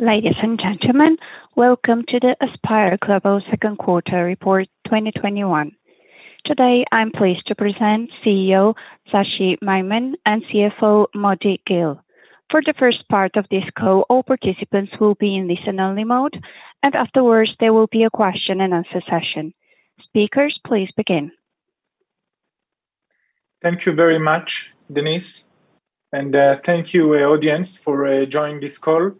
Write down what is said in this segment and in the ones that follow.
Ladies and gentlemen, welcome to the Aspire Global second quarter report 2021. Today, I'm pleased to present CEO, Tsachi Maimon, and CFO, Motti Gil. For the first part of this call, all participants will be in listen-only mode, and afterwards, there will be a question and answer session. Speakers, please begin. Thank you very much, Denise, and thank you audience for joining this call.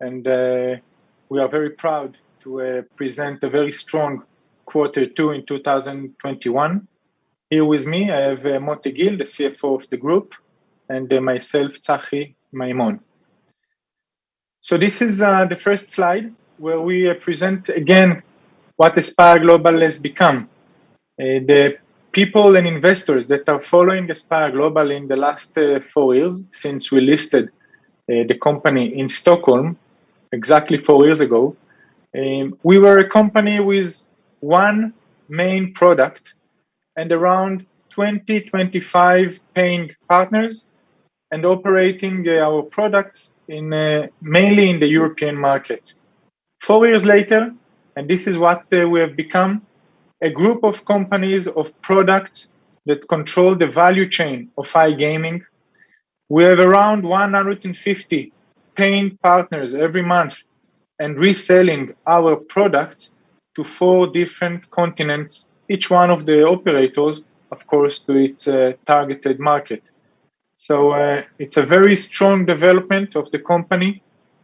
We are very proud to present a very strong quarter two in 2021. Here with me, I have Motti Gil, the CFO of the group, and myself, Tsachi Maimon. This is the first slide where we present again what Aspire Global has become. The people and investors that are following Aspire Global in the last four years, since we listed the company in Stockholm exactly four years ago, we were a company with one main product and around 20, 25 paying partners, and operating our products mainly in the European market. Four years later, this is what we have become, a group of companies of products that control the value chain of iGaming. We have around 150 paying partners every month and reselling our products to four different continents, each one of the operators, of course, to its targeted market. It's a very strong development of the company,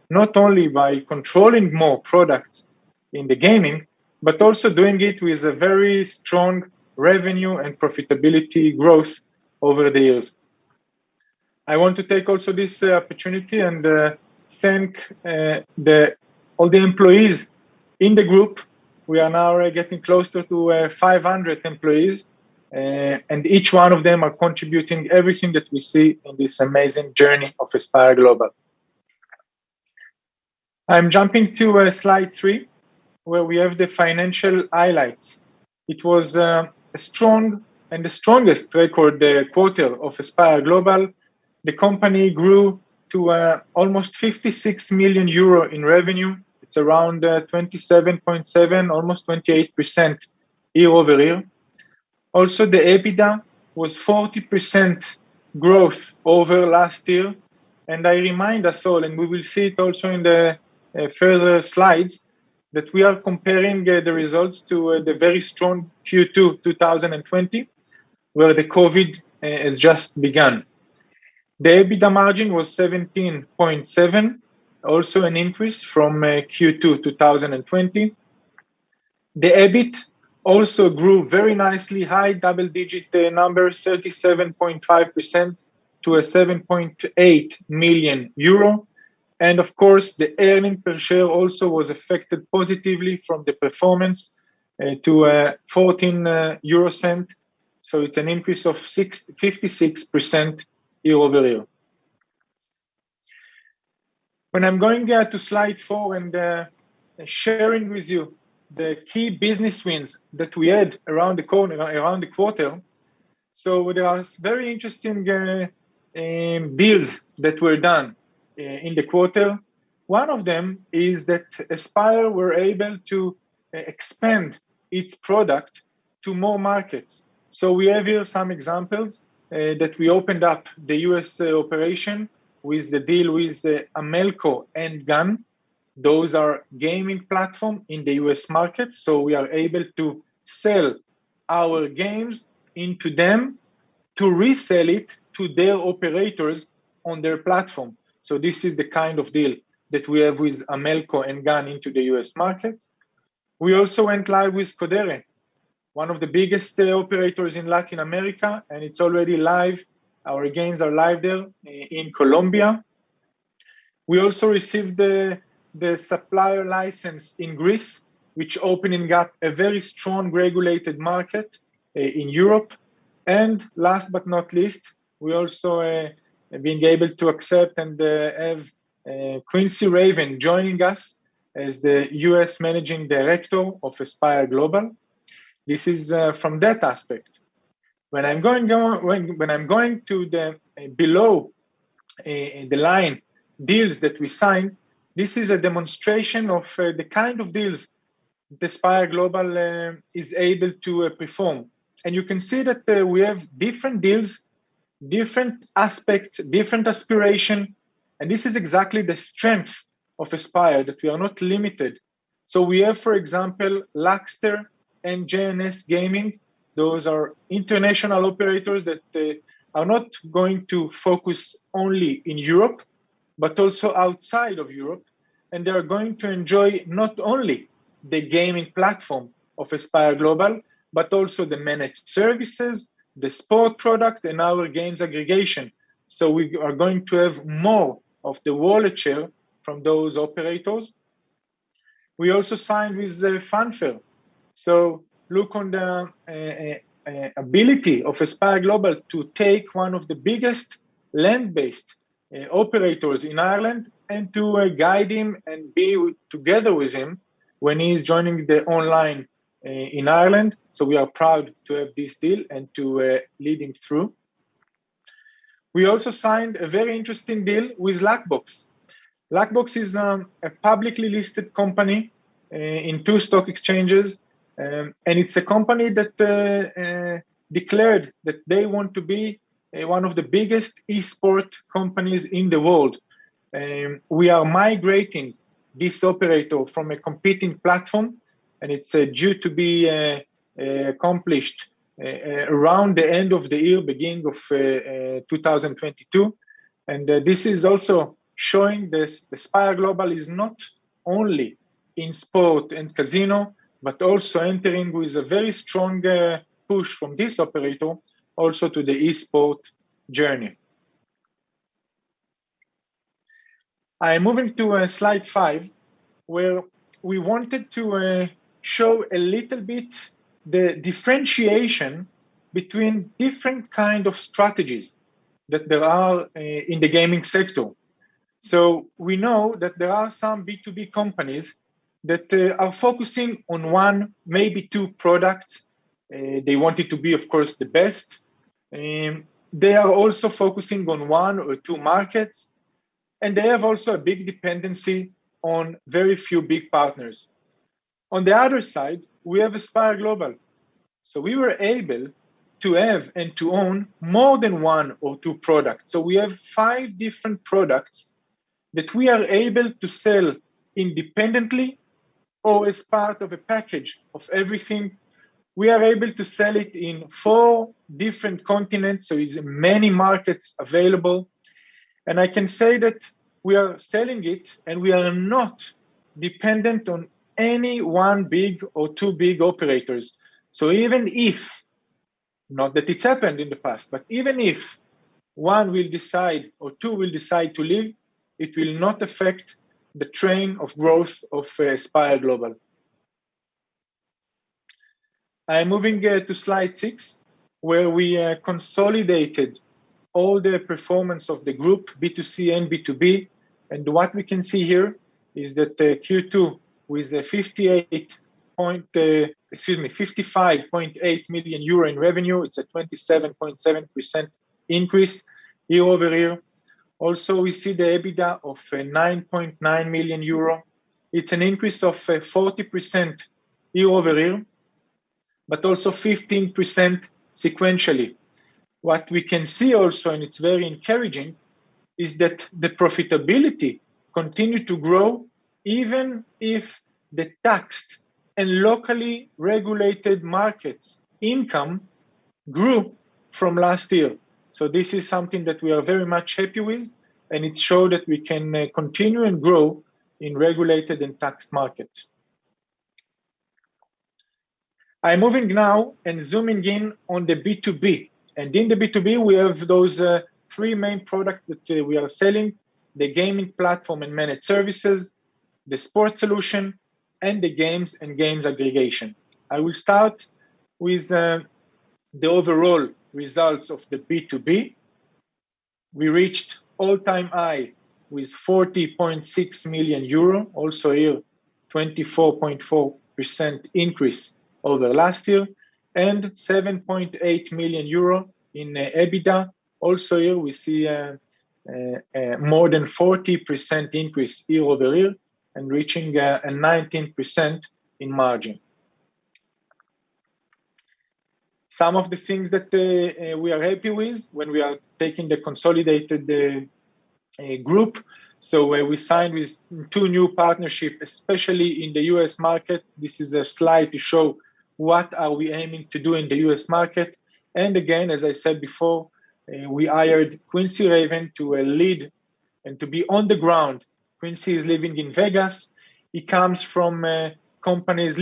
not only by controlling more products in the gaming, but also doing it with a very strong revenue and profitability growth over the years. I want to take also this opportunity and thank all the employees in the group. We are now getting closer to 500 employees, and each one of them are contributing everything that we see on this amazing journey of Aspire Global. I'm jumping to slide three, where we have the financial highlights. It was a strong and the strongest record quarter of Aspire Global. The company grew to almost 56 million euro in revenue. It's around 27.7%, almost 28% year-over-year. The EBITDA was 40% growth over last year. I remind us all, and we will see it also in the further slides, that we are comparing the results to the very strong Q2 2020, where the COVID has just begun. The EBITDA margin was 17.7%, also an increase from Q2 2020. The EBIT also grew very nicely, high double-digit number, 37.5% to a 7.8 million euro. Of course, the earning per share also was affected positively from the performance to a 0.14, so it's an increase of 56% year-over-year. When I'm going there to slide four and sharing with you the key business wins that we had around the quarter. There was very interesting deals that were done in the quarter. One of them is that Aspire were able to expand its product to more markets. We have here some examples, that we opened up the U.S. operation with the deal with Amelco and GAN. Those are gaming platform in the U.S. market, so we are able to sell our games into them to resell it to their operators on their platform. This is the kind of deal that we have with Amelco and GAN into the U.S. market. We also went live with Codere, one of the biggest operators in Latin America, and it's already live. Our games are live there in Colombia. We also received the supplier license in Greece, which opening up a very strong regulated market in Europe. Last but not least, we also being able to accept and have Quincy Raven joining us as the U.S. Managing Director of Aspire Global. This is from that aspect. When I'm going to the below the line deals that we signed, this is a demonstration of the kind of deals that Aspire Global is able to perform. You can see that we have different deals, different aspects, different aspiration, and this is exactly the strength of Aspire, that we are not limited. We have, for example, Luckster and JNS Gaming. Those are international operators that are not going to focus only in Europe but also outside of Europe, and they are going to enjoy not only the gaming platform of Aspire Global, but also the managed services, the sport product, and our games aggregation. We are going to have more of the wallet share from those operators. We also signed with FanDuel. Look on the ability of Aspire Global to take one of the biggest land-based operators in Ireland and to guide him and be together with him when he's joining the online in Ireland. We are proud to have this deal and to lead him through. We also signed a very interesting deal with Luckbox. Luckbox is a publicly listed company in two stock exchanges, and it's a company that declared that they want to be one of the biggest esport companies in the world. We are migrating this operator from a competing platform, and it's due to be accomplished around the end of the year, beginning of 2022. This is also showing that Aspire Global is not only in sport and casino, but also entering with a very strong push from this operator, also to the esport journey. I am moving to slide five, where we wanted to show a little bit the differentiation between different kind of strategies that there are in the gaming sector. We know that there are some B2B companies that are focusing on one, maybe two products. They want it to be, of course, the best. They are also focusing on one or two markets, and they have also a big dependency on very few big partners. On the other side, we have Aspire Global. We were able to have and to own more than one or two products. We have five different products that we are able to sell independently or as part of a package of everything. We are able to sell it in four different continents, so it's many markets available. I can say that we are selling it, and we are not dependent on any one big or two big operators. Even if, not that it's happened in the past, but even if one will decide or two will decide to leave, it will not affect the train of growth of Aspire Global. I am moving to slide six, where we consolidated all the performance of the group, B2C and B2B. What we can see here is that Q2 with 55.8 million euro in revenue. It's a 27.7% increase year-over-year. Also, we see the EBITDA of 9.9 million euro. It's an increase of 40% year-over-year, but also 15% sequentially. What we can see also, and it's very encouraging, is that the profitability continued to grow, even if the taxed and locally regulated markets income grew from last year. This is something that we are very much happy with, and it showed that we can continue and grow in regulated and taxed markets. I am moving now and zooming in on the B2B. In the B2B, we have those three main products that we are selling, the gaming platform and managed services, the sport solution, and the games and games aggregation. I will start with the overall results of the B2B. We reached all-time high with 40.6 million euro, also a 24.4% increase over last year, and 7.8 million euro in EBITDA. Also here, we see a more than 40% increase year-over-year and reaching a 19% in margin. Some of the things that we are happy with when we are taking the consolidated group. We signed with two new partnership, especially in the U.S. market. This is a slide to show what are we aiming to do in the U.S. market. Again, as I said before, we hired Quincy Raven to lead and to be on the ground. Quincy is living in Vegas. He comes from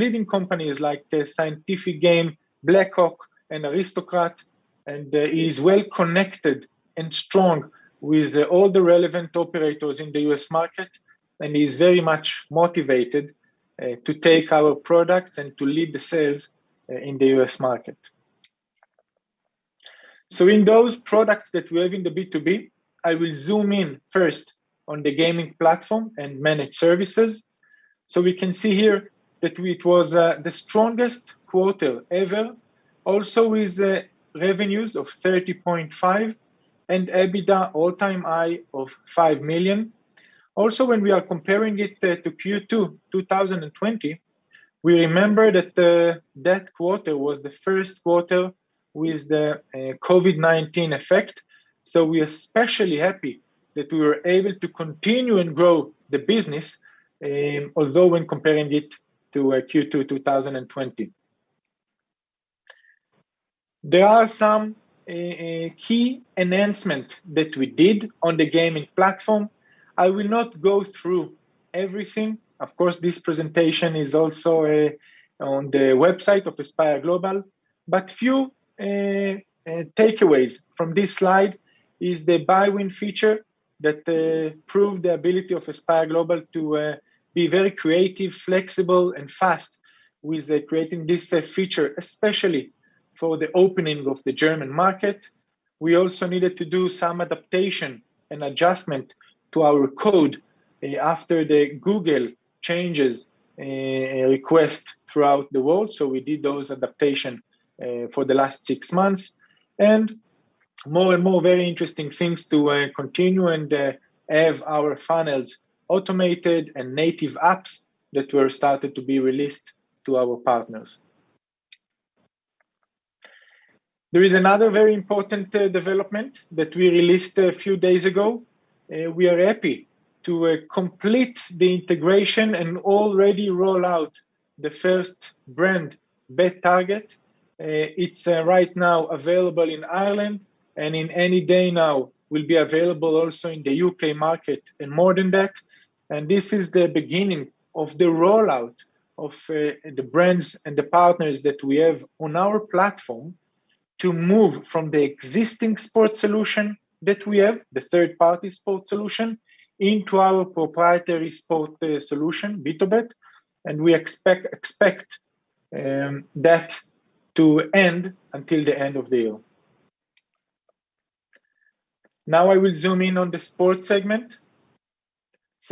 leading companies like Scientific Games, Blackhawk, and Aristocrat, and he's well-connected and strong with all the relevant operators in the U.S. market, and he's very much motivated to take our products and to lead the sales in the U.S. market. In those products that we have in the B2B, I will zoom in first on the gaming platform and managed services. We can see here that it was the strongest quarter ever. Also with revenues of 30.5 million and EBITDA all-time high of 5 million. Also, when we are comparing it to Q2 2020, we remember that that quarter was the first quarter with the COVID-19 effect. We are especially happy that we were able to continue and grow the business, although when comparing it to Q2 2020. There are some key enhancements that we did on the gaming platform. I will not go through everything. Of course, this presentation is also on the website of Aspire Global. Few takeaways from this slide is the BuyWin feature that proved the ability of Aspire Global to be very creative, flexible, and fast with creating this feature, especially for the opening of the German market. We also needed to do some adaptation and adjustment to our code after the Google changes request throughout the world, we did those adaptations for the last six months. More and more very interesting things to continue and have our funnels automated and native apps that were started to be released to our partners. There is another very important development that we released a few days ago. We are happy to complete the integration and already roll out the first brand BetTarget. It's right now available in Ireland and in any day now will be available also in the U.K. market and more than that. This is the beginning of the rollout of the brands and the partners that we have on our platform to move from the existing sport solution that we have, the third-party sport solution, into our proprietary sport solution, BtoBet, and we expect that to end until the end of the year. I will zoom in on the sport segment.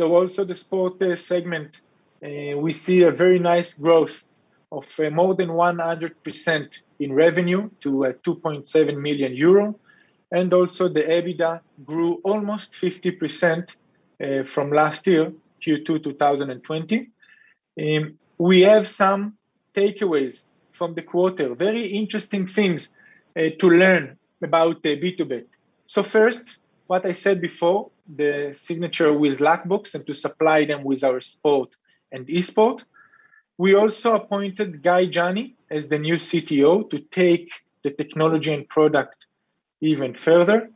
Also the sport segment, we see a very nice growth of more than 100% in revenue to 2.7 million euro. Also the EBITDA grew almost 50% from last year, Q2 2020. We have some takeaways from the quarter, very interesting things to learn about BtoBet. First, what I said before, the signature with Luckbox and to supply them with our sport and esport. We also appointed Guy Gani as the new CTO to take the technology and product even further.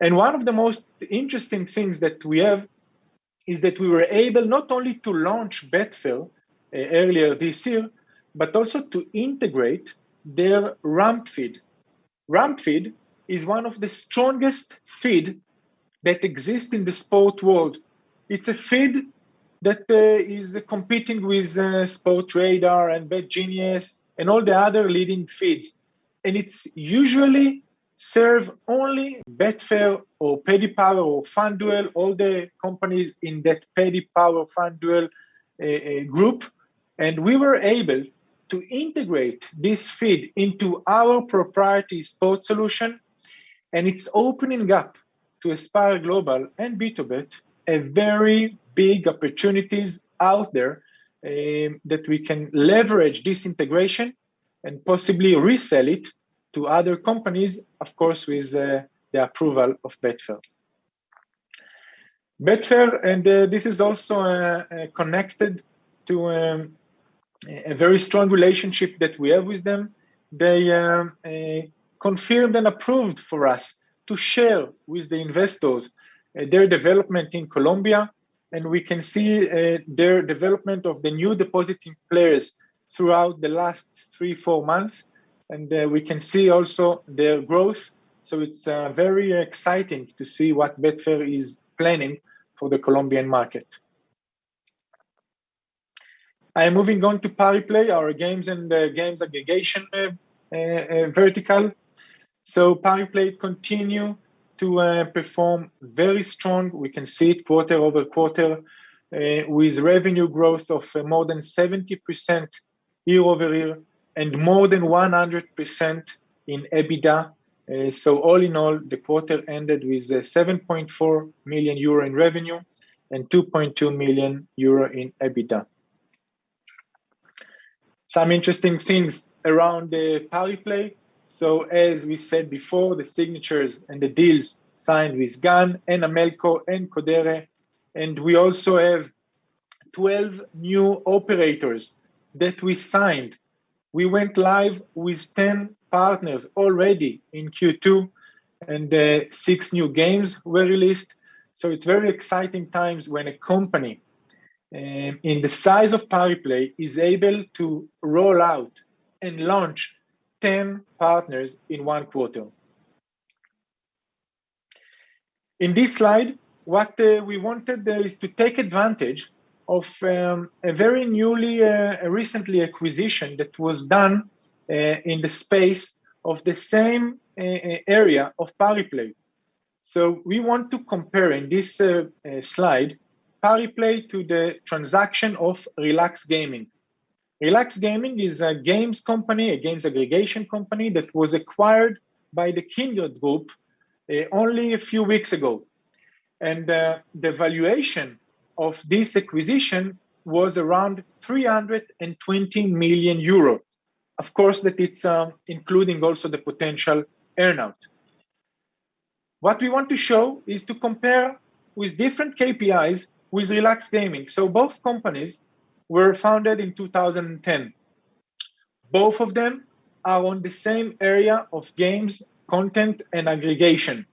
One of the most interesting things that we have is that we were able not only to launch Betfair earlier this year, but also to integrate their RAM feed. RAM feed is one of the strongest feed that exists in the sport world. It's a feed that is competing with Sportradar and Betgenius and all the other leading feeds. It's usually serve only Betfair or Paddy Power or FanDuel, all the companies in that Paddy Power FanDuel group. We were able to integrate this feed into our proprietary sport solution, and it's opening up to Aspire Global and BtoBet, a very big opportunities out there, that we can leverage this integration and possibly resell it to other companies, of course, with the approval of Betfair. Betfair, this is also connected to a very strong relationship that we have with them. They confirmed and approved for us to share with the investors their development in Colombia, and we can see their development of the new depositing players throughout the last three, four months. We can see also their growth. It's very exciting to see what Betfair is planning for the Colombian market. I am moving on to Pariplay, our games and games aggregation vertical. Pariplay continue to perform very strong. We can see it quarter-over-quarter, with revenue growth of more than 70% year-over-year and more than 100% in EBITDA. All in all, the quarter ended with 7.4 million euro in revenue and 2.2 million euro in EBITDA. Some interesting things around Pariplay. As we said before, the signatures and the deals signed with GAN and Amelco and Codere, and we also have 12 new operators that we signed. We went live with 10 partners already in Q2, and six new games were released. It's very exciting times when a company in the size of Pariplay is able to roll out and launch 10 partners in one quarter. In this slide, what we wanted is to take advantage of a very newly, recently acquisition that was done, in the space of the same area of Pariplay. We want to compare in this slide, Pariplay to the transaction of Relax Gaming. Relax Gaming is a games company, a games aggregation company that was acquired by the Kindred Group only a few weeks ago. The valuation of this acquisition was around 320 million euro. Of course, that it's including also the potential earn-out. What we want to show is to compare with different KPIs with Relax Gaming. Both companies were founded in 2010. Both of them are on the same area of games, content, and aggregation.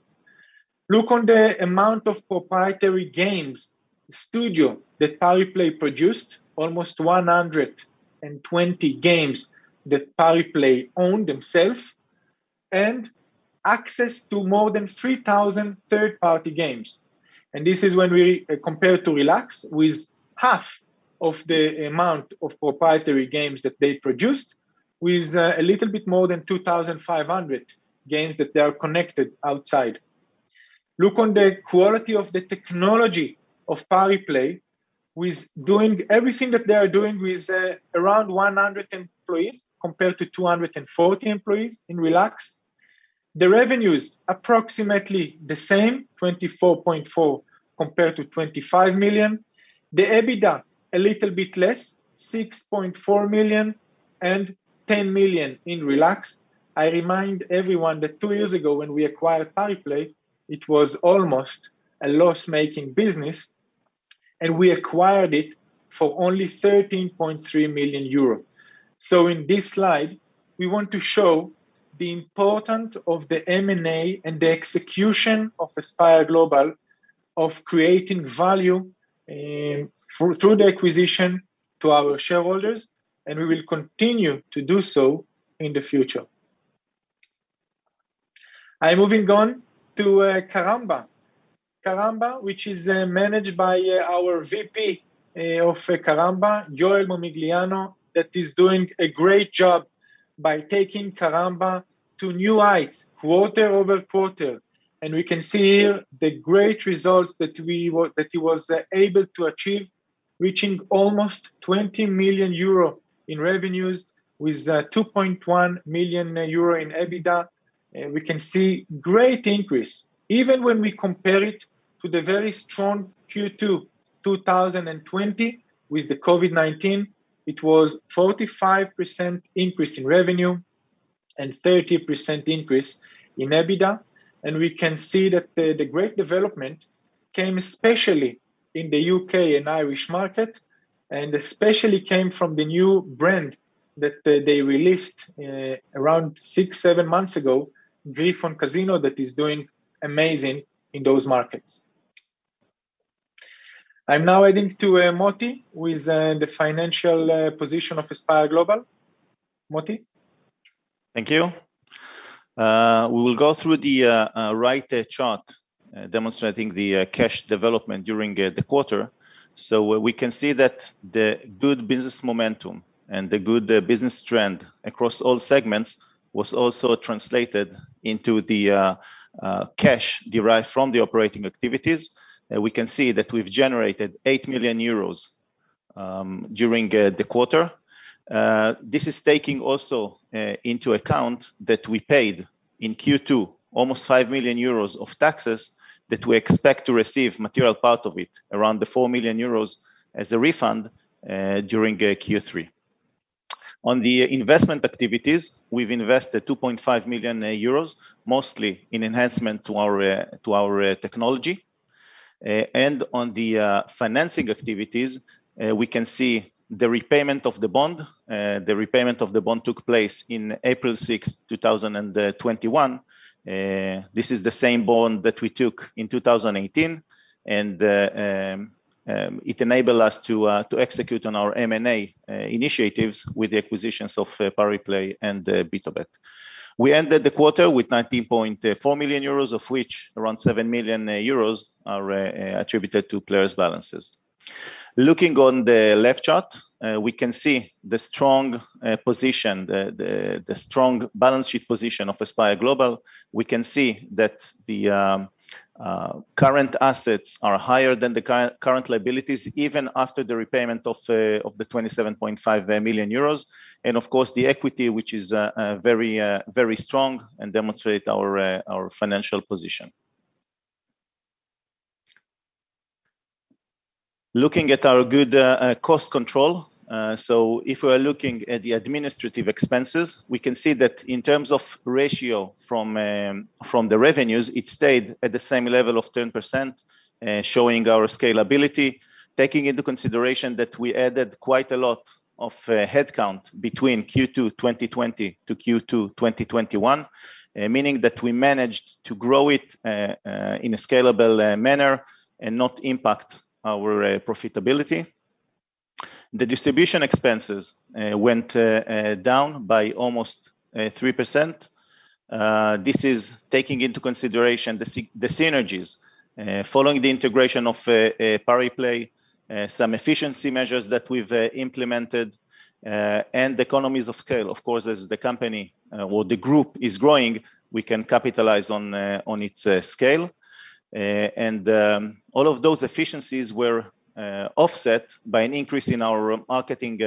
Look on the amount of proprietary games studio that Pariplay produced, almost 120 games that Pariplay own themself, and access to more than 3,000 third-party games. This is when we compare to Relax with half of the amount of proprietary games that they produced, with a little bit more than 2,500 games that they are connected outside. Look on the quality of the technology of Pariplay with doing everything that they are doing with around 100 employees, compared to 240 employees in Relax. The revenue is approximately the same, 24.4 million compared to 25 million. The EBITDA, a little bit less, 6.4 million and 10 million in Relax. I remind everyone that two years ago when we acquired Pariplay, it was almost a loss-making business, and we acquired it for only 13.3 million euros. In this slide, we want to show the importance of the M&A and the execution of Aspire Global of creating value through the acquisition to our shareholders, and we will continue to do so in the future. I'm moving on to Karamba. Karamba, which is managed by our VP of Karamba, Yoel Momigliano, that is doing a great job by taking Karamba to new heights quarter-over-quarter. We can see here the great results that he was able to achieve, reaching almost 20 million euro in revenues with 2.1 million euro in EBITDA. We can see great increase even when we compare it to the very strong Q2 2020 with the COVID-19. It was 45% increase in revenue and 30% increase in EBITDA. We can see that the great development came especially in the U.K. and Irish market, and especially came from the new brand that they released around six, seven months ago, Griffon Casino, that is doing amazing in those markets. I'm now handing to Motti with the financial position of Aspire Global. Moti? Thank you. We will go through the right chart demonstrating the cash development during the quarter. We can see that the good business momentum and the good business trend across all segments was also translated into the cash derived from the operating activities. We can see that we've generated 8 million euros during the quarter. This is taking also into account that we paid in Q2 almost 5 million euros of taxes that we expect to receive material part of it, around 4 million euros as a refund, during Q3. On the investment activities, we've invested 2.5 million euros, mostly in enhancement to our technology. On the financing activities, we can see the repayment of the bond. The repayment of the bond took place in April 6, 2021. This is the same bond that we took in 2018, it enabled us to execute on our M&A initiatives with the acquisitions of Pariplay and BtoBet. We ended the quarter with 19.4 million euros, of which around 7 million euros are attributed to players' balances. Looking on the left chart, we can see the strong balance sheet position of Aspire Global. We can see that the current assets are higher than the current liabilities, even after the repayment of the 27.5 million euros. Of course, the equity, which is very strong and demonstrate our financial position. Looking at our good cost control. If we're looking at the administrative expenses, we can see that in terms of ratio from the revenues, it stayed at the same level of 10%, showing our scalability, taking into consideration that we added quite a lot of headcount between Q2 2020 to Q2 2021. Meaning that we managed to grow it in a scalable manner and not impact our profitability. The distribution expenses went down by almost 3%. This is taking into consideration the synergies following the integration of Pariplay, some efficiency measures that we've implemented, and the economies of scale. Of course, as the company or the group is growing, we can capitalize on its scale. All of those efficiencies were offset by an increase in our marketing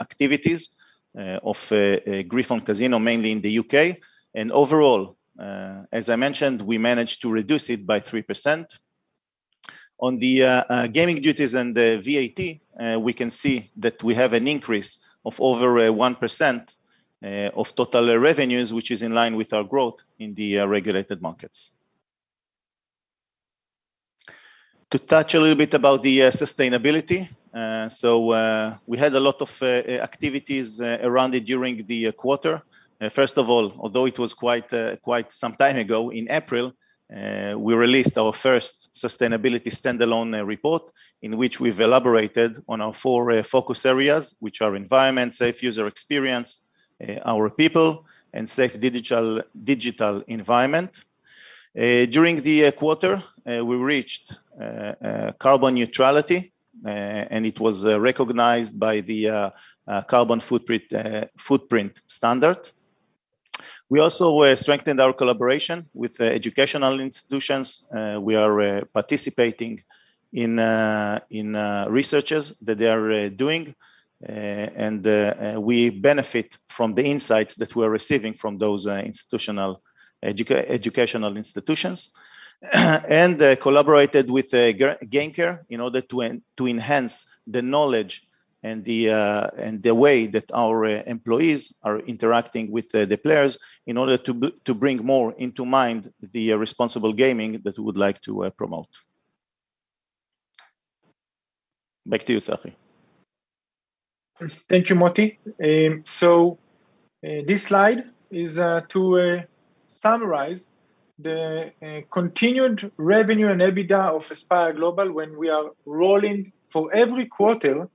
activities of Griffon Casino, mainly in the U.K. Overall, as I mentioned, we managed to reduce it by 3%. On the gaming duties and the VAT, we can see that we have an increase of over 1% of total revenues, which is in line with our growth in the regulated markets. To touch a little bit about the sustainability. We had a lot of activities around it during the quarter. First of all, although it was quite some time ago, in April, we released our first sustainability standalone report in which we've elaborated on our four focus areas, which are environment, safe user experience, our people, and safe digital environment. During the quarter, we reached carbon neutrality. It was recognized by the Carbon Footprint standard. We also strengthened our collaboration with educational institutions. We are participating in researches that they are doing, and we benefit from the insights that we are receiving from those educational institutions. Collaborated with GamCare in order to enhance the knowledge and the way that our employees are interacting with the players in order to bring more into mind the responsible gaming that we would like to promote. Back to you, Tsachi. Thank you, Motti. This slide is to summarize the continued revenue and EBITDA of Aspire Global when we are rolling for every quarter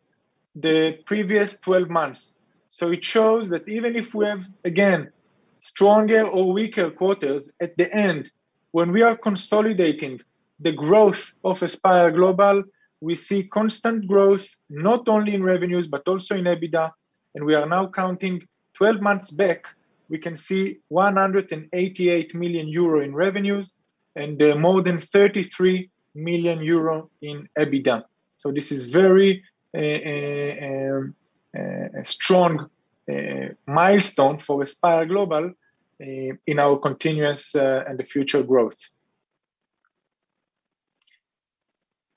the previous 12 months. It shows that even if we have, again, stronger or weaker quarters, at the end, when we are consolidating the growth of Aspire Global, we see constant growth, not only in revenues, but also in EBITDA. We are now counting 12 months back, we can see 188 million euro in revenues and more than 33 million euro in EBITDA. This is very strong milestone for Aspire Global in our continuous and the future growth.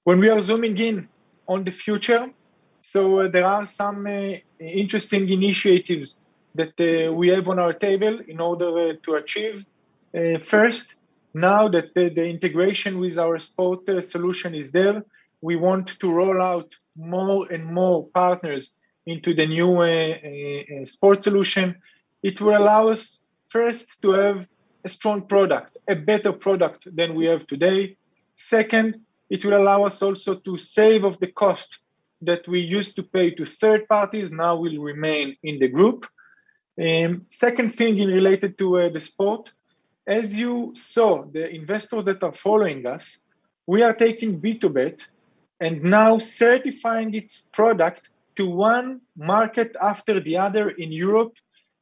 When we are zooming in on the future, there are some interesting initiatives that we have on our table in order to achieve. First, now that the integration with our sports solution is there, we want to roll out more and more partners into the new sports solution. It will allow us, first, to have a strong product, a better product than we have today. Second, it will allow us also to save of the cost that we used to pay to third parties now will remain in the group. Second thing in related to the sport, as you saw, the investors that are following us, we are taking BtoBet and now certifying its product to one market after the other in Europe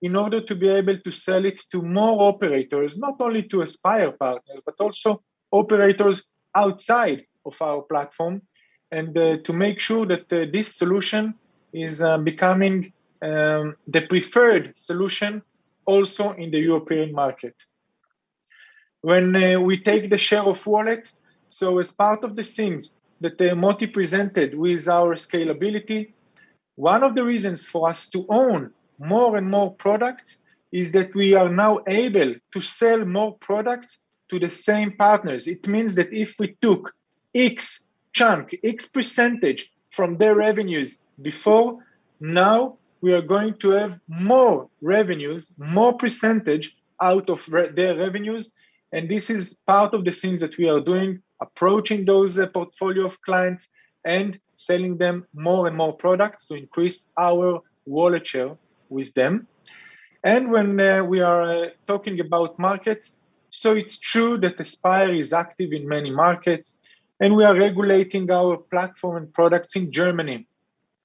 in order to be able to sell it to more operators, not only to Aspire Global partners, but also operators outside of our platform, and to make sure that this solution is becoming the preferred solution also in the European market. When we take the share of wallet, as part of the things that Motti presented with our scalability, one of the reasons for us to own more and more products is that we are now able to sell more products to the same partners. It means that if we took X chunk, X percentage from their revenues before, now we are going to have more revenues, more percentage out of their revenues. This is part of the things that we are doing, approaching those portfolio of clients and selling them more and more products to increase our wallet share with them. When we are talking about markets, so it's true that Aspire is active in many markets, and we are regulating our platform and products in Germany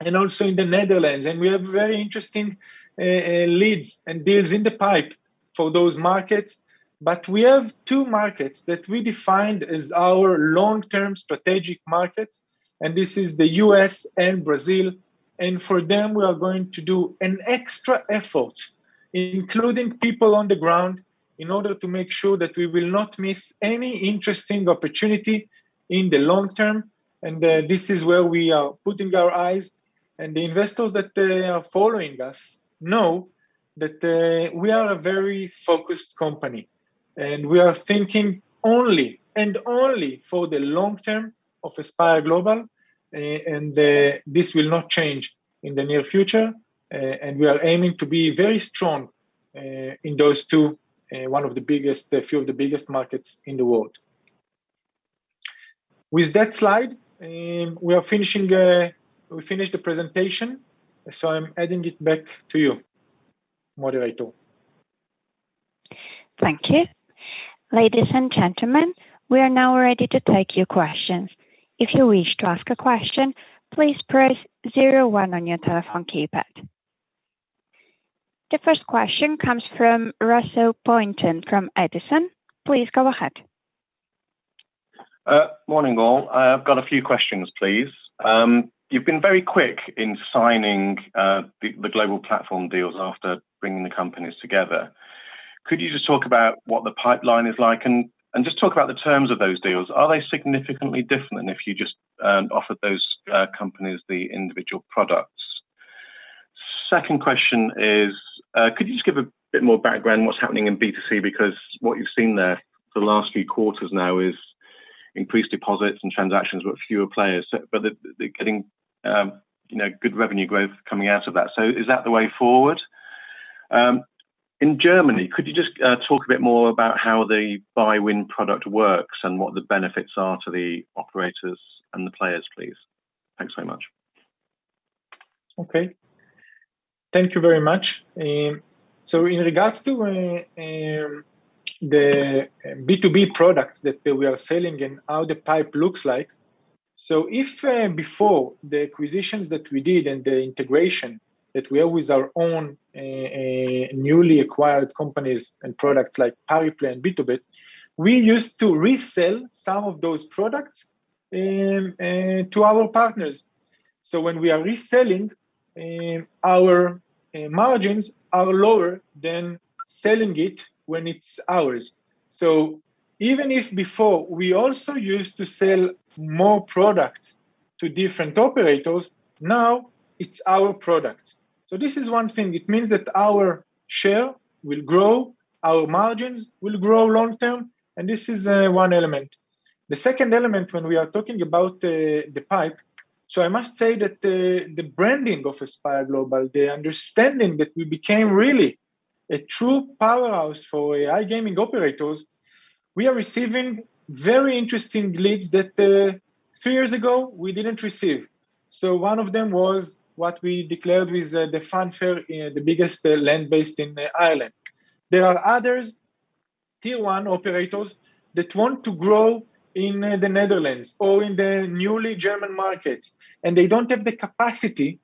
and also in the Netherlands. We have very interesting leads and deals in the pipe for those markets. We have two markets that we defined as our long-term strategic markets, and this is the U.S. and Brazil. For them, we are going to do an extra effort, including people on the ground in order to make sure that we will not miss any interesting opportunity in the long term. This is where we are putting our eyes, and the investors that are following us know that we are a very focused company, and we are thinking only and only for the long term of Aspire Global, and this will not change in the near future. We are aiming to be very strong in those two, few of the biggest markets in the world. With that slide, we finish the presentation. I'm handing it back to you, moderator. Thank you. Ladies and gentlemen, we are now ready to take your questions. If you wish to ask a question, please press zero one on your telephone keypad. The first question comes from Russell Pointon from Edison. Please go ahead. Morning, all. I've got a few questions, please. You've been very quick in signing the global platform deals after bringing the companies together. Could you just talk about what the pipeline is like and just talk about the terms of those deals? Are they significantly different than if you just offered those companies the individual products? Second question is, could you just give a bit more background what's happening in B2C? What you've seen there for the last few quarters now is increased deposits and transactions, but fewer players. They're getting good revenue growth coming out of that. Is that the way forward? In Germany, could you just talk a bit more about how the BuyWin product works and what the benefits are to the operators and the players, please? Thanks very much Okay. Thank you very much. In regards to the B2B products that we are selling and how the pipe looks like. If before the acquisitions that we did and the integration that we have with our own newly acquired companies and products like Pariplay and BtoBet, we used to resell some of those products to our partners. When we are reselling, our margins are lower than selling it when it's ours. Even if before we also used to sell more products to different operators, now it's our product. This is one thing. It means that our share will grow, our margins will grow long-term, and this is one element. The second element when we are talking about the pipe, I must say that the branding of Aspire Global, the understanding that we became really a true powerhouse for iGaming operators, we are receiving very interesting leads that three years ago we didn't receive. One of them was what we declared with the Funfair Casino, the biggest land-based in Ireland. There are others, tier 1 operators, that want to grow in the Netherlands or in the newly German markets, and they don't have the capacity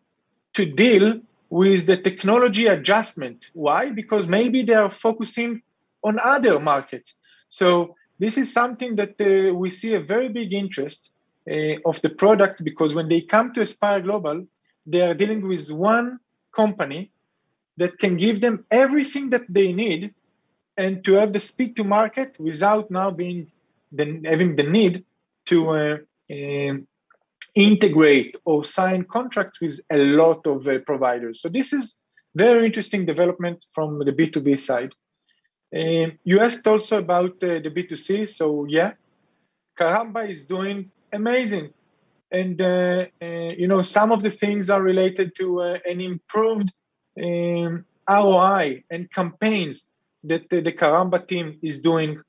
to deal with the technology adjustment. Why? Because maybe they are focusing on other markets. This is something that we see a very big interest of the product, because when they come to Aspire Global, they are dealing with one company that can give them everything that they need and to have the speed to market without now having the need to integrate or sign contracts with a lot of providers. This is very interesting development from the B2B side. You asked also about the B2C. Yeah. Karamba is doing amazing. Some of the things are related to an improved ROI and campaigns that the Karamba team is doing.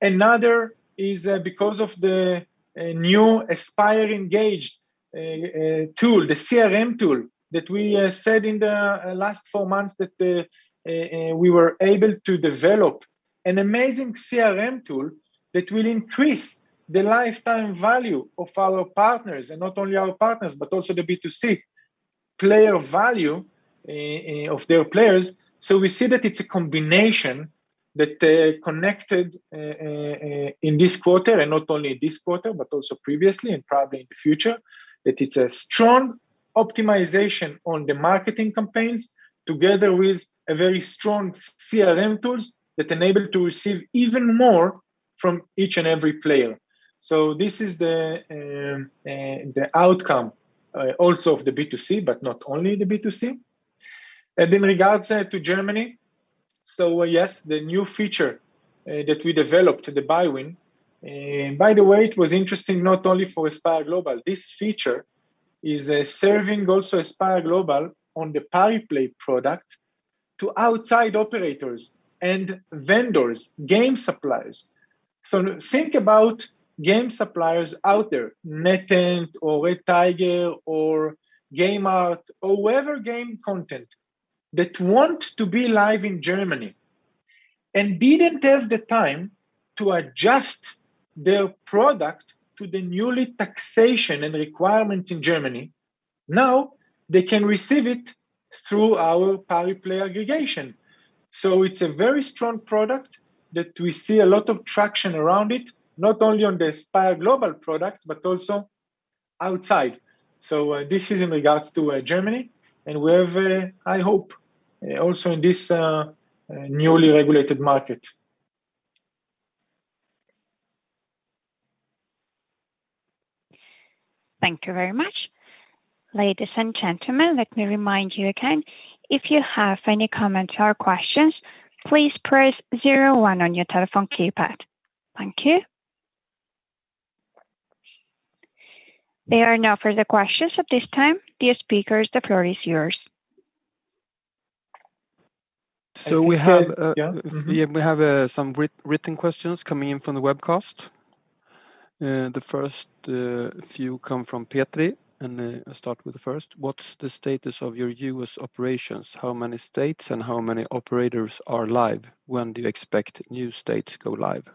Another is because of the new AspireEngage tool, the CRM tool that we said in the last four months that we were able to develop an amazing CRM tool that will increase the lifetime value of our partners. Not only our partners, but also the B2C player value of their players. We see that it's a combination that connected in this quarter, and not only this quarter, but also previously and probably in the future, that it's a strong optimization on the marketing campaigns together with a very strong CRM tools that enable to receive even more from each and every player. This is the outcome also of the B2C, but not only the B2C. In regards to Germany, yes, the new feature that we developed, the BuyWin. It was interesting not only for Aspire Global, this feature is serving also Aspire Global on the Pariplay product to outside operators and vendors, game suppliers. Think about game suppliers out there, NetEnt or Red Tiger or GameArt, or whatever game content that want to be live in Germany and didn't have the time to adjust their product to the newly taxation and requirements in Germany. Now they can receive it through our Pariplay aggregation. It's a very strong product that we see a lot of traction around it, not only on the Aspire Global product, but also outside. This is in regards to Germany and we have, I hope, also in this newly regulated market. Thank you very much. Ladies and gentlemen, let me remind you again, if you have any comments or questions, please press zero one on your telephone keypad. Thank you. There are no further questions at this time. Dear speakers, the floor is yours. So we have- Yeah. Mm-hmm We have some written questions coming in from the webcast. The first few come from Petri, and I start with the first. What's the status of your U.S. operations? How many states and how many operators are live? When do you expect new states go live?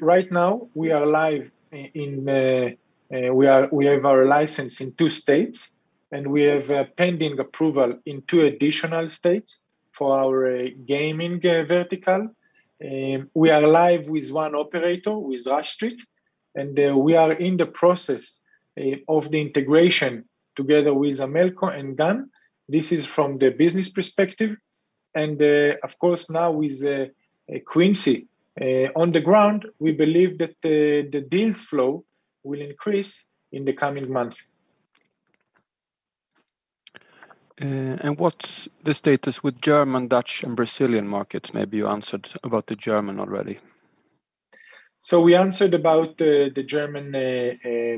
Right now we have our license in two states, and we have pending approval in two additional states for our gaming vertical. We are live with one operator, with Rush Street, and we are in the process of the integration together with Amelco and GAN. This is from the business perspective. Of course now with Quincy on the ground, we believe that the deals flow will increase in the coming months. What's the status with German, Dutch, and Brazilian markets? Maybe you answered about the German already. We answered about the German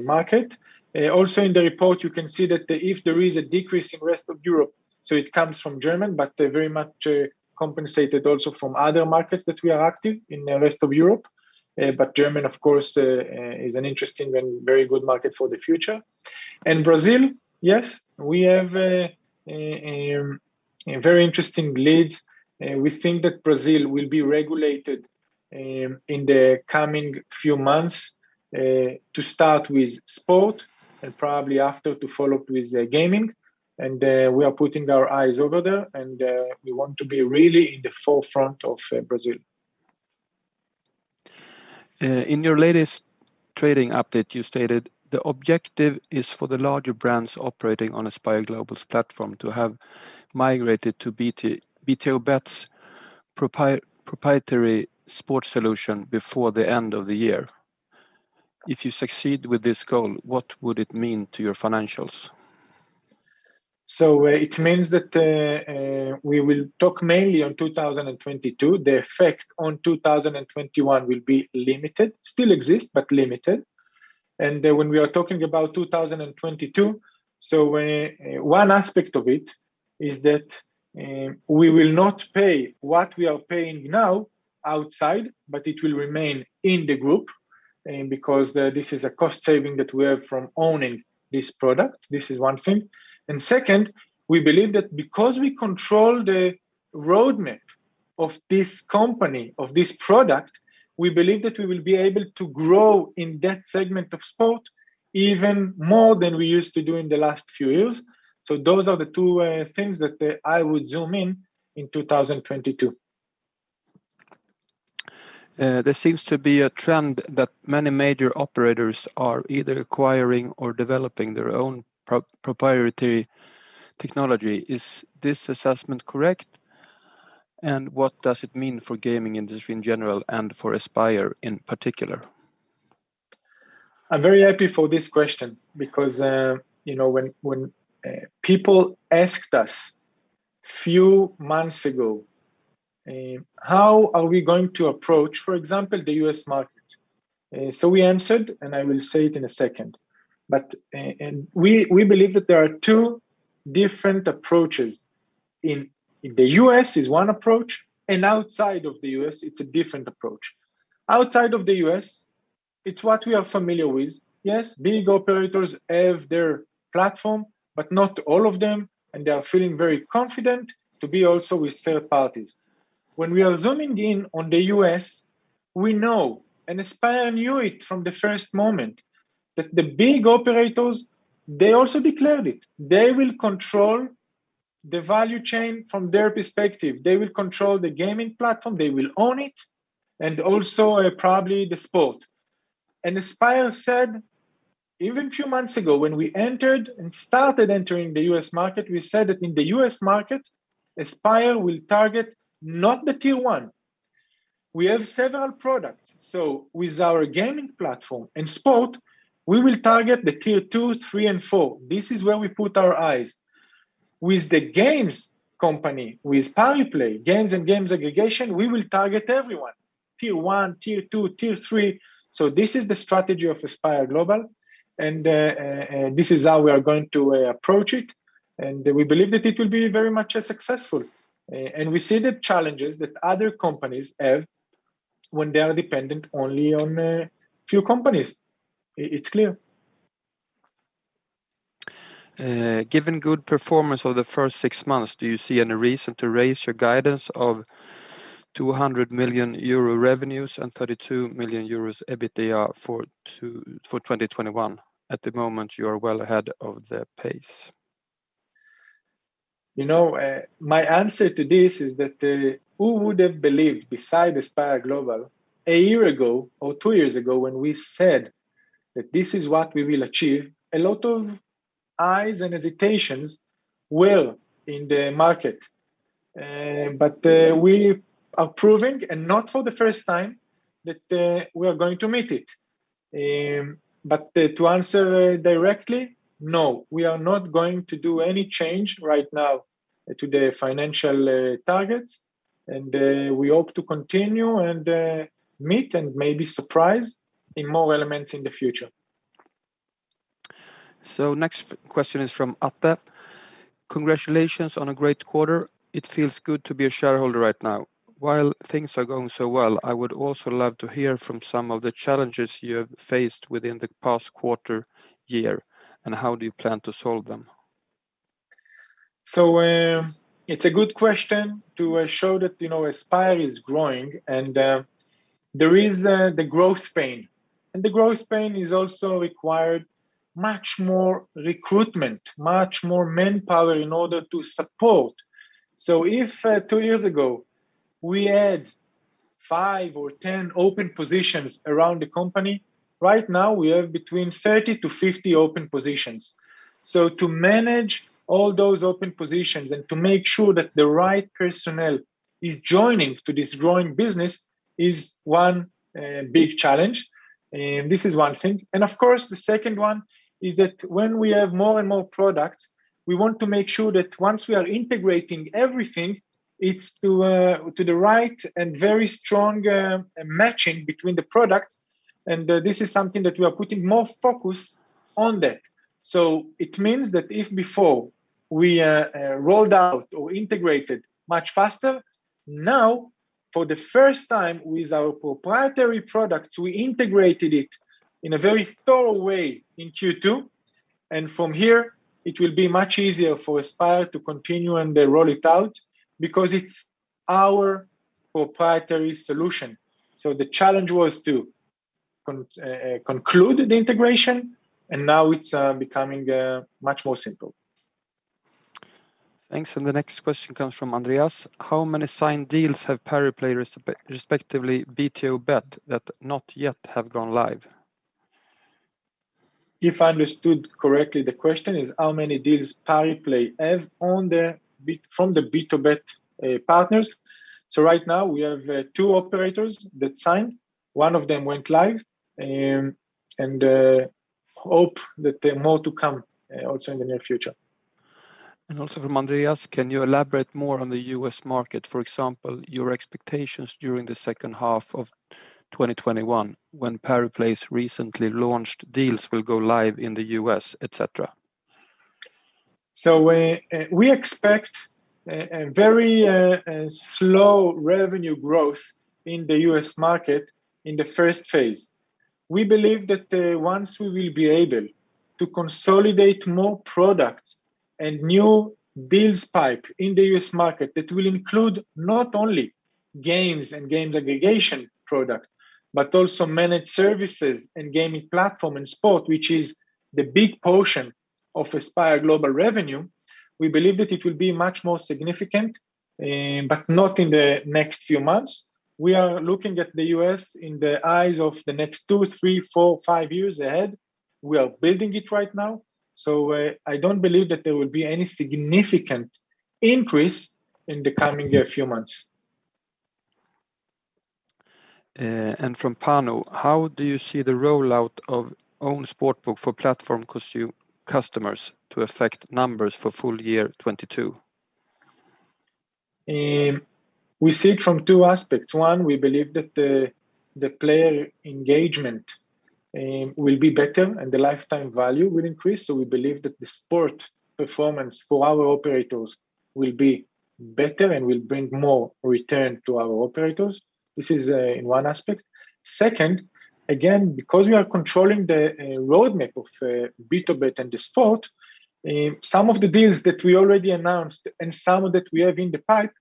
market. In the report, you can see that if there is a decrease in rest of Europe, it comes from German, but very much compensated also from other markets that we are active in the rest of Europe. German of course is an interesting and very good market for the future. Brazil, yes, we have a very interesting lead. We think that Brazil will be regulated in the coming few months to start with sport and probably after to follow with gaming. We are putting our eyes over there, and we want to be really in the forefront of Brazil. In your latest trading update, you stated, "The objective is for the larger brands operating on Aspire Global's platform to have migrated to BtoBet's proprietary sports solution before the end of the year." If you succeed with this goal, what would it mean to your financials? It means that we will talk mainly on 2022. The effect on 2021 will be limited, still exists, but limited. When we are talking about 2022, so one aspect of it is that we will not pay what we are paying now outside, but it will remain in the group because this is a cost saving that we have from owning this product. This is one thing. Second, we believe that because we control the roadmap of this company, of this product, we believe that we will be able to grow in that segment of sport even more than we used to do in the last few years. Those are the two things that I would zoom in 2022. There seems to be a trend that many major operators are either acquiring or developing their own proprietary technology. Is this assessment correct? What does it mean for gaming industry in general and for Aspire in particular? I'm very happy for this question because when people asked us few months ago, how are we going to approach, for example, the U.S. market? We answered, and I will say it in a second. We believe that there are two different approaches. In the U.S. is one approach, and outside of the U.S., it's a different approach. Outside of the U.S., it's what we are familiar with. Yes, big operators have their platform, but not all of them, and they are feeling very confident to be also with third parties. When we are zooming in on the U.S., we know, and Aspire knew it from the first moment, that the big operators, they also declared it, they will control the value chain from their perspective. They will control the gaming platform, they will own it, and also probably the sport. Aspire said, even a few months ago when we entered and started entering the U.S. market, we said that in the U.S. market, Aspire will target not the tier 1. We have several products. With our gaming platform and sport, we will target the tier 2, 3, and 4. This is where we put our eyes. With the games company, with Pariplay, games and games aggregation, we will target everyone, tier 1, tier 2, tier 3. This is the strategy of Aspire Global, and this is how we are going to approach it, and we believe that it will be very much successful. We see the challenges that other companies have when they are dependent only on a few companies. It's clear. Given good performance of the first six months, do you see any reason to raise your guidance of 200 million euro revenues and 32 million euros EBITDA for 2021? At the moment, you are well ahead of the pace. My answer to this is that who would have believed beside Aspire Global a year ago or two years ago when we said that this is what we will achieve? A lot of eyes and hesitations were in the market. We are proving, and not for the first time, that we are going to meet it. To answer directly, no, we are not going to do any change right now to the financial targets, and we hope to continue and meet and maybe surprise in more elements in the future. Next question is from Atte. "Congratulations on a great quarter. It feels good to be a shareholder right now. While things are going so well, I would also love to hear from some of the challenges you have faced within the past quarter year, and how do you plan to solve them? It's a good question to show that Aspire is growing, and there is the growth pain, and the growth pain has also required much more recruitment, much more manpower in order to support. If 2twoyears ago, we had five or 10 open positions around the company. Right now, we have between 30-50 open positions. To manage all those open positions and to make sure that the right personnel is joining to this growing business is one big challenge. This is one thing. Of course, the second one is that when we have more and more products, we want to make sure that once we are integrating everything, it's to the right and very strong matching between the products, and this is something that we are putting more focus on that. It means that if before we rolled out or integrated much faster, now for the first time with our proprietary products, we integrated it in a very thorough way in Q2, and from here it will be much easier for Aspire to continue and roll it out because it's our proprietary solution. The challenge was to conclude the integration, and now it's becoming much more simple. Thanks. The next question comes from Andreas. How many signed deals have Pariplay, respectively BtoBet, that not yet have gone live? If I understood correctly, the question is how many deals Pariplay have from the BtoBet partners. Right now we have two operators that signed. One of them went live and hope that more to come also in the near future. Also from Andreas, can you elaborate more on the U.S. market, for example, your expectations during the second half of 2021 when Pariplay's recently launched deals will go live in the U.S., et cetera? We expect a very slow revenue growth in the U.S. market in the first phase. We believe that once we will be able to consolidate more products and new deals pipe in the U.S. market, that will include not only games and games aggregation product, but also managed services and gaming platform and sport, which is the big portion of Aspire Global revenue. We believe that it will be much more significant, but not in the next few months. We are looking at the U.S. in the eyes of the next two, three, four, five years ahead. We are building it right now. I don't believe that there will be any significant increase in the coming few months. From Pano, how do you see the rollout of own sportsbook for platform customers to affect numbers for full year 2022? We see it from two aspects. One, we believe that the player engagement will be better and the lifetime value will increase. We believe that the sport performance for our operators will be better and will bring more return to our operators. This is in one aspect. Second, again, because we are controlling the roadmap of BtoBet and the sport, some of the deals that we already announced and some that we have in the pipe,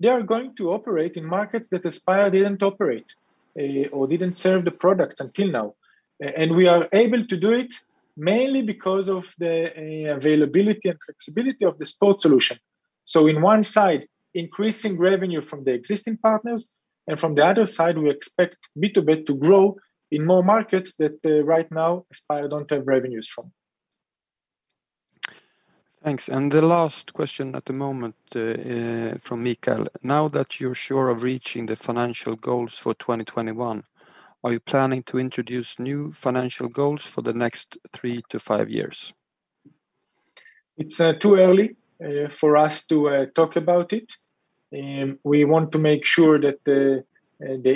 they are going to operate in markets that Aspire didn't operate or didn't serve the product until now. We are able to do it mainly because of the availability and flexibility of the sport solution. On one side, increasing revenue from the existing partners, and from the other side, we expect BtoBet to grow in more markets that right now Aspire don't have revenues from. Thanks. The last question at the moment from Mikael. Now that you are sure of reaching the financial goals for 2021, are you planning to introduce new financial goals for the next three to five years? It's too early for us to talk about it. We want to make sure that the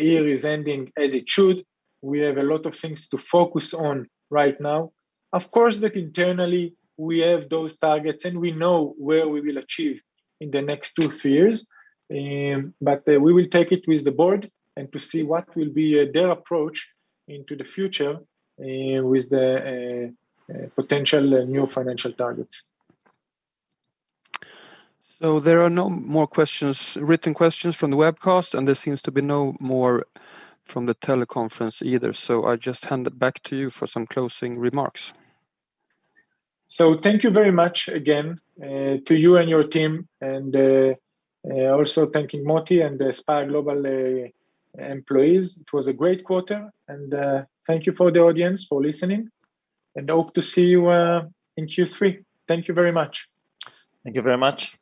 year is ending as it should. We have a lot of things to focus on right now. Of course, internally we have those targets and we know where we will achieve in the next two, three years, but we will take it with the board and to see what will be their approach into the future with the potential new financial targets. There are no more written questions from the webcast, and there seems to be no more from the teleconference either. I just hand it back to you for some closing remarks. Thank you very much again to you and your team, and also thanking Motti and Aspire Global employees. It was a great quarter and thank you for the audience for listening and hope to see you in Q3. Thank you very much. Thank you very much.